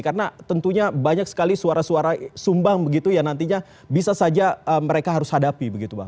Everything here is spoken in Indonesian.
karena tentunya banyak sekali suara suara sumbang begitu ya nantinya bisa saja mereka harus hadapi begitu bang